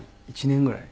１年ぐらい。